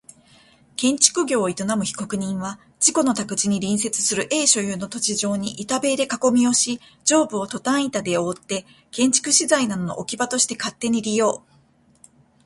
建築業を営む被告人は、自己の宅地に隣接する A 所有の土地上に板塀で囲みをし上部をトタン板で覆って建築資材などの置き場として勝手に利用し、A もこの程度の物件であればと言うことで黙認していたところ、台風により同囲いが倒壊した。